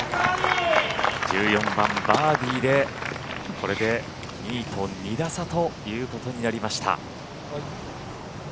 １４番、バーディーでこれで２位と２打差ということになりました。